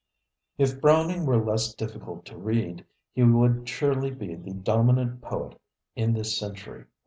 If Browning were less difficult to read, he would surely be the dominant poet in this century.